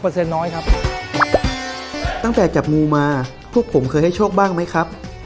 น้อยครับตั้งแต่จับงูมาพวกผมเคยให้โชคบ้างไหมครับ